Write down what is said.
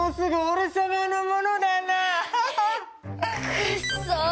くっそ！